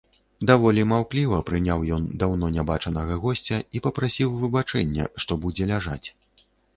Даволі маўкліва прыняў ён даўно нябачанага госця і папрасіў выбачэння, што будзе ляжаць.